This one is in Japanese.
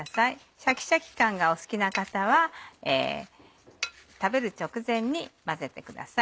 シャキシャキ感がお好きな方は食べる直前に混ぜてください。